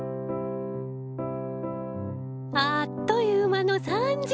あっという間の３時間。